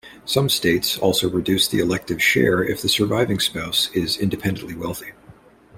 Some states also reduce the elective share if the surviving spouse is independently wealthy.